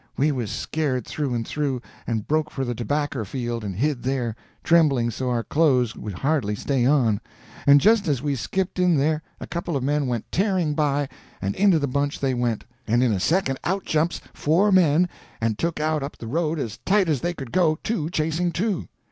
We was scared through and through, and broke for the tobacker field and hid there, trembling so our clothes would hardly stay on; and just as we skipped in there, a couple of men went tearing by, and into the bunch they went, and in a second out jumps four men and took out up the road as tight as they could go, two chasing two.